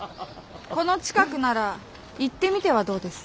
この近くなら行ってみてはどうです？